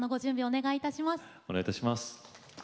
お願いいたします。